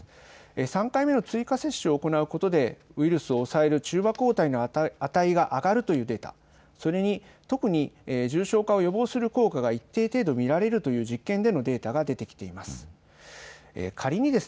３回目の追加接種を行うことでウイルスを抑える中和抗体の値が上がるというデータ、それに特に重症化を予防する効果が一定程度見られるという実験のデータが出てきています。